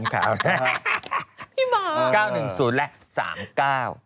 ชี้ป๋าขาวครึ่งต้มขาวห่วงขาว